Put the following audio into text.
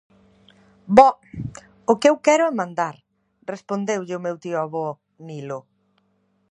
Boh!, o que eu quero é mandar -respondeulle o meu tío-avó Nilo.